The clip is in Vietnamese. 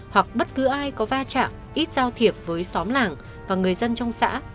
hoặc bất cứ ai có va chạm ít giao thiệp với xóm làng và người dân trong xã